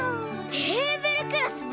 テーブルクロスね！